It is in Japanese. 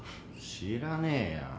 知らねえよ。